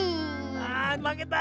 あまけた。